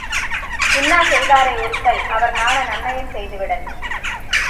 இன்னாசெய் தாரை ஒறத்தல் அவர்நாண நன்னயம் செய்து விடல்.